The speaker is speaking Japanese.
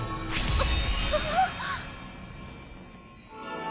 あっ。